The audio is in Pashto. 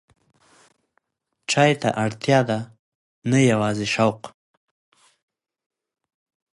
چای ته اړتیا ده، نه یوازې شوق.